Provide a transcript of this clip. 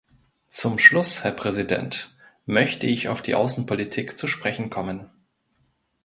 Zum Schluss, Herr Präsident, möchte ich auf die Außenpolitik zu sprechen kommen.